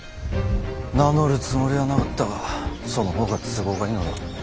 名乗るつもりはなかったがその方が都合がいいのだ。